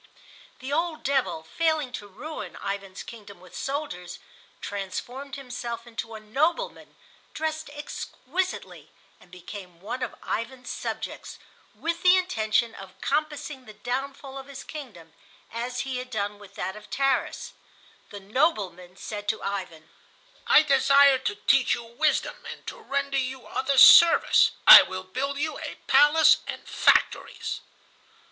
The old devil, failing to ruin Ivan's kingdom with soldiers, transformed himself into a nobleman, dressed exquisitely, and became one of Ivan's subjects, with the intention of compassing the downfall of his kingdom—as he had done with that of Tarras. The "nobleman" said to Ivan: "I desire to teach you wisdom and to render you other service. I will build you a palace and factories."